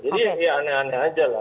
jadi ya aneh aneh aja lah